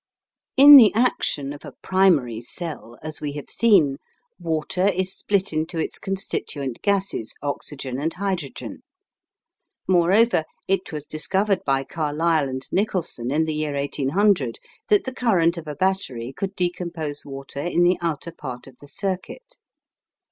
In the action of a primary cell, as we have seen, water is split into its constituent gases, oxygen and hydrogen. Moreover, it was discovered by Carlisle and Nicholson in the year 1800 that the current of a battery could decompose water in the outer part of the circuit.